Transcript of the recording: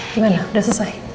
gimana udah selesai